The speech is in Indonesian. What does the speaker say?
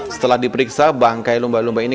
setelah diperiksa bangkai lumba lumba ini